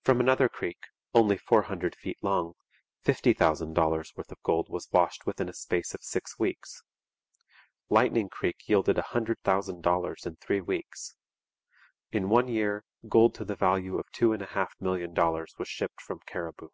From another creek, only four hundred feet long, fifty thousand dollars' worth of gold was washed within a space of six weeks. Lightning Creek yielded a hundred thousand dollars in three weeks. In one year gold to the value of two and a half million dollars was shipped from Cariboo.